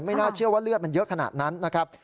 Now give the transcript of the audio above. น่าเชื่อว่าเลือดมันเยอะขนาดนั้นนะครับ